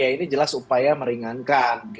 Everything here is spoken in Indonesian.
ini jelas upaya meringankan